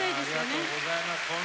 ありがとうございます。